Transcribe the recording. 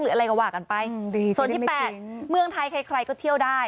หรืออะไรกว่ากันไปโซนที่๘เมืองไทยใครก็เที่ยวได้